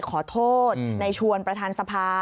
ขอโทษในชวนประธานสภา